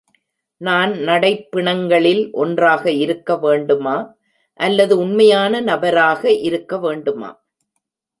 நான் நடைப்பிணங்களில் ஒன்றாக இருக்க வேண்டுமா அல்லது உண்மையான நபராக இருக்க வேண்டுமா?